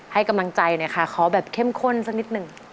ให้กำลังใจหน่อยค่ะขอแบบเข้มข้นสักนิดหนึ่ง